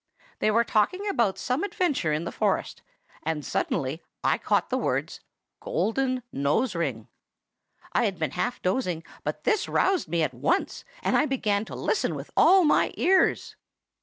They were talking about some adventure in the forest, and suddenly I caught the words, 'golden nose ring.' I had been half dozing; but this roused me at once, and I began to listen with all my ears."